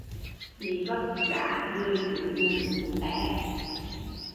Bị vấp cục đá, người chúi mũi muốn té